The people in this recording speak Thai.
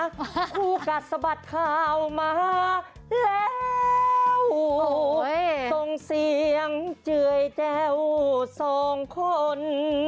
คู่กัดสะบัดข่าวมาแล้วส่งเสียงเจื่อยแจ้วสองคน